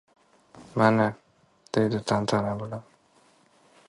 — Mana! — dedi tantana bilan.